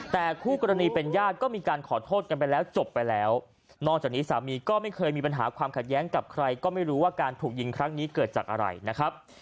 แต่คู่กรณีเป็นญาติก็มีการขอโทษกันไปแล้วจบไปแล้วนอกจากนี้สามีก็ไม่เคยมีปัญหาความขัดแย้งกับใครก็ไม่รู้ว่าการถูกยิงครั้งนี้เกิดจากอะไรนะครับ